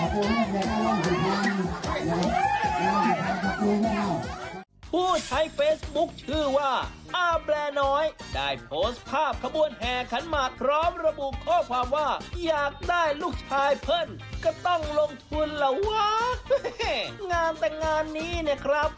ผู้ใช้เฟซบุ๊คชื่อว่าอาแบรน้อยได้โพสต์ภาพขบวนแห่ขันหมากพร้อมระบุข้อความว่าอยากได้ลูกชายเพิ่นก็ต้องลงทุนล่ะวะงานแต่งงานนี้เนี่ยครับ